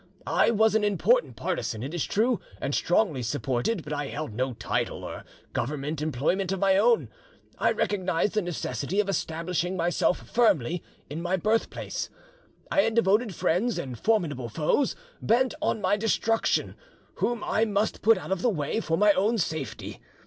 I was an important partisan, it is true, and strongly supported, but I held no title or Government employment of my own. I recognised the necessity of establishing myself firmly in my birthplace. I had devoted friends, and formidable foes, bent on my destruction, whom I must put out of the way, for my own safety.